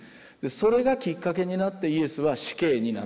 それがきっかけになってイエスは死刑になっていく。